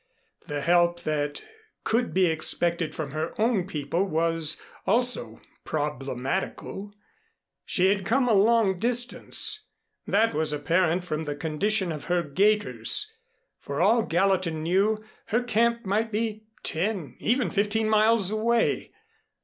The help that could be expected from her own people was also problematical. She had come a long distance. That was apparent from the condition of her gaiters. For all Gallatin knew, her camp might be ten, or even fifteen miles away.